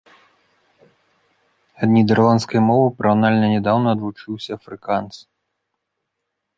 Ад нідэрландскай мовы параўнальна нядаўна адлучыўся афрыкаанс.